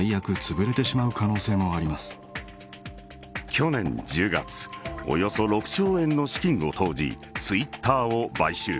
去年１０月およそ６兆円の資金を投じＴｗｉｔｔｅｒを買収。